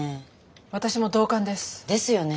私も同感です。ですよね。